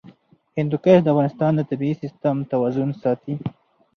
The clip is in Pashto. هندوکش د افغانستان د طبعي سیسټم توازن ساتي.